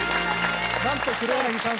なんと黒柳さん